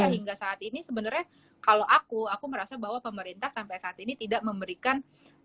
hingga saat ini sebenarnya kalau aku aku merasa bahwa pemerintah sampai saat ini tidak memberikan